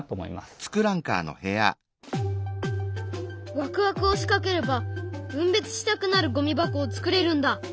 ワクワクを仕掛ければ分別したくなるゴミ箱を作れるんだ。